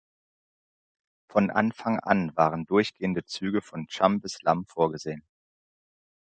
Von Anfang an waren durchgehende Züge von Cham bis Lam vorgesehen.